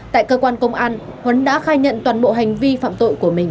tại cơ quan công an huấn đã khai nhận toàn bộ hành vi phạm tội của mình